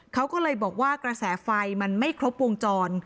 เขาก็เลยบอกว่ากระแสไฟมันไม่ครบวงจร